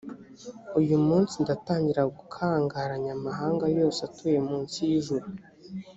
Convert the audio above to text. uyu munsi, ndatangira gukangaranya amahanga yose atuye mu nsi y’ijuru,